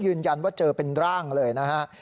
ยืนยันว่าเจอเป็นร่างเลยนะฮะ